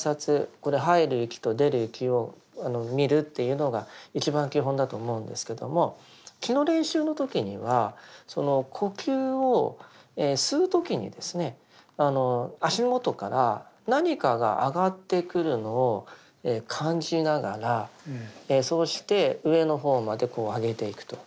これ入る息と出る息を見るというのが一番基本だと思うんですけども気の練習の時にはその呼吸を吸う時にですね足元から何かが上がってくるのを感じながらそうして上の方までこう上げていくと。